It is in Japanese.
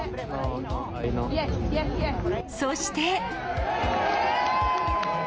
そして。